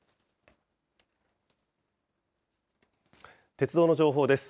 鉄道の情報です。